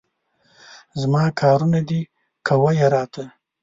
زما کارونه دي، کوه یې راته.